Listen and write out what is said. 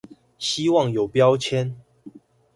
希望有標籤